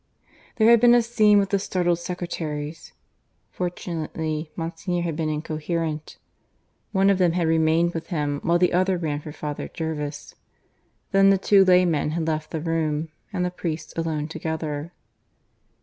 There had been a scene with the startled secretaries. Fortunately Monsignor had been incoherent. One of them had remained with him while the other ran for Father Jervis. Then the two laymen had left the room, and the priests alone together.